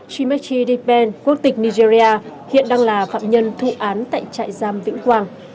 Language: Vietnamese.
chimachi deppan quốc tịch nigeria hiện đang là phạm nhân thụ án tại trại giam vĩnh quang